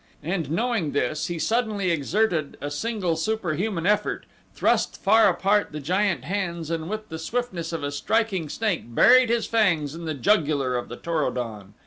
And knowing this he suddenly exerted a single super human effort, thrust far apart the giant hands and with the swiftness of a striking snake buried his fangs in the jugular of the Tor o don.